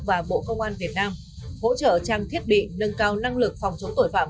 và bộ công an việt nam hỗ trợ trang thiết bị nâng cao năng lực phòng chống tội phạm